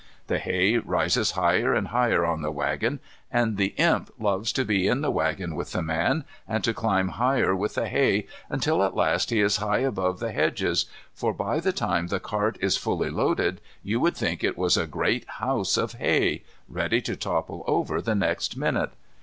The hay rises higher and higher in the waggon, and the Imp loves to be in the waggon with the man, and to climb higher with the hay until at last he is high above the hedges, for by the time the cart is fully loaded you would think it was a great house of hay, ready to topple over the next minute.